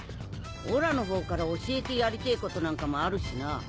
オラの方から教えてやりてえことなんかもあるしな。